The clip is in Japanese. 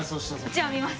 じゃあ見ます！